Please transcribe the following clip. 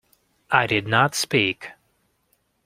I did not speak.